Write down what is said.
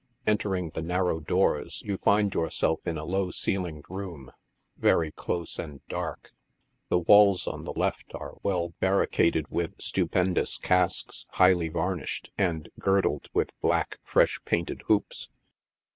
Entering the narrow doors, you find yourself in a low ceiling room, very close and dark. The walls on the left are well barricaded with stupendous casks, highly varnished, and gir dled with black, freshly painted hoops.